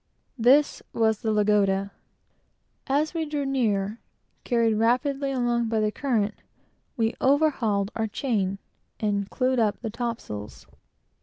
This was the Lagoda. As we drew near, carried rapidly along by the current, we overhauled our chain, and clewed up the topsails.